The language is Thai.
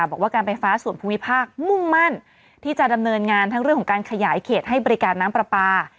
บอกว่าการไฟฟ้าส่วนภูมิภาคมุ่งมั่นที่จะดำเนินงานทั้งเรื่องของการขยายเขตให้บริการน้ำปลาปลา